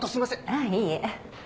ああいいえ。